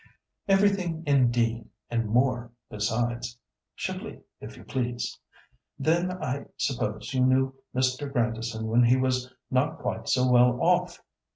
"Everything, indeed, and more besides. (Chablis, if you please!) Then I suppose you knew Mr. Grandison when he was not quite so well off?